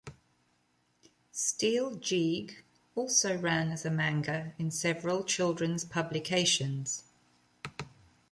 Steel Jeeg also ran as a manga in several children's publications.